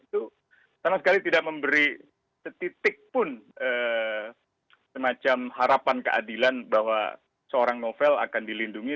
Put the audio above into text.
itu sama sekali tidak memberi setitik pun semacam harapan keadilan bahwa seorang novel akan dilindungi